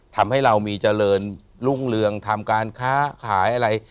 ทำให้เรามีเจริญรุ่งเรืองทำการค้าขายอะไร